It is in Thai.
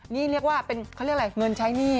นี่เรียกว่าเป็นเขาเรียกอะไรเงินใช้หนี้